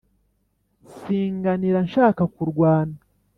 Singanira nshaka kurwana.